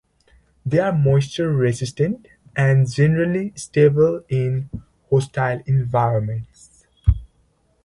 They are moisture-resistant and generally stable in hostile environments.